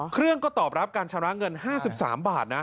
เครื่องก็ตอบรับการชำระเงิน๕๓บาทนะ